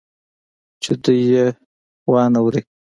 چې دوى يې وانه وري.